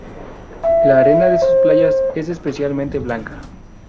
La arena de sus playas es especialmente blanca.